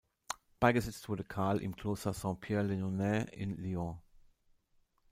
Beigesetzt wurde Karl im Kloster St-Pierre-les-Nonnains in Lyon.